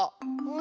ん⁉